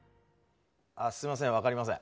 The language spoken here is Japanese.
あすいません分かりません。